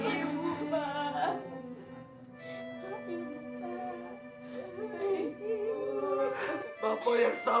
ibu jangan pergi